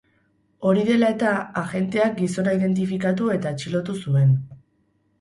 Hori dela eta, agenteak gizona identifikatu eta atxilotu zuen.